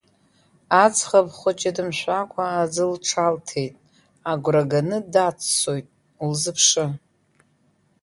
Аӡӷаб хәыҷ дымшәакәа аӡы лҽалҭеит, агәра ганы даццоит, улзыԥшы!